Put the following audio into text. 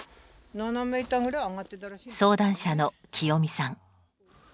相談者のきよみさん。